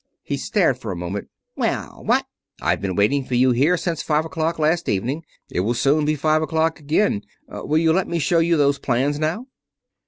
He stared a moment. "Well, what " "I've been waiting for you here since five o'clock last evening. It will soon be five o'clock again. Will you let me show you those plans now?"